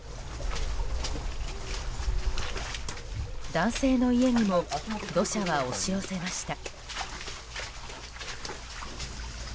男性の家にも土砂は押し寄せました。